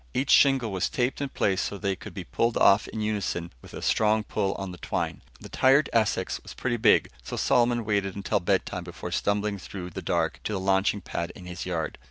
Each shingle was taped in place so they could be pulled off in unison with a strong pull on the twine. The tired Essex was pretty big, so Solomon waited until bedtime before stumbling through the dark to the launching pad in his yard.